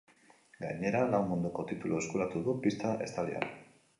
Gainera, lau munduko titulu eskuratu du pista estalian.